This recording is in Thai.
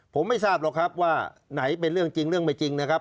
ผมไม่ทราบหรอกครับว่าไหนเป็นเรื่องจริงเรื่องไม่จริงนะครับ